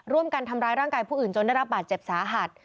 ร่วมกันทำร้ายร่างกายผู้อื่นจนได้รับบาดเจ็บสาหัส